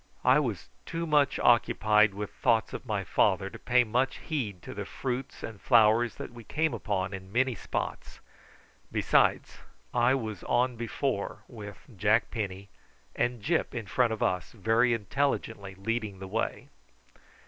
I was too much occupied with thoughts of my father to pay much heed to the fruits and flowers that we came upon in many spots; besides, I was on before with Jack Penny, and Gyp in front of us very intelligently leading the way.